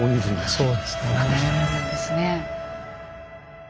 そうですねえ。